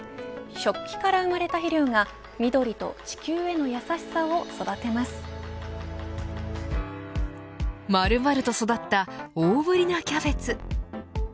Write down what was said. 食器から生まれた肥料が緑と地球への優しさを丸々と育った大振りなキャベツ。